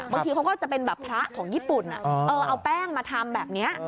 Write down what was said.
บางทีเขาก็จะเป็นแบบพระของญี่ปุ่นเอาแป้งมาทำแบบนี้